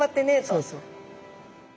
そうそう。